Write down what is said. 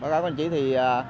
báo cáo đồng chí thì